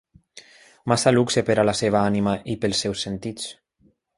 Massa luxe per a la seva ànima i pels seus sentits.